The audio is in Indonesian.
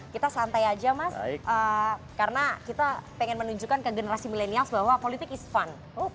kita santai aja mas karena kita pengen menunjukkan ke generasi milenials bahwa politik is fun